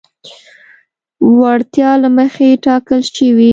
وړتیا له مخې ټاکل شوي.